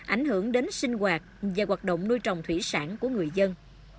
ảnh hưởng đến sinh hoạt và hoạt động nuôi trồng thủy sản của người dân